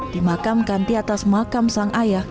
dimakamkan di atas makam sang ayah